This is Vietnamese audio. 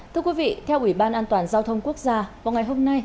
thưa quý vị theo ủy ban an toàn giao thông quốc gia vào ngày hôm nay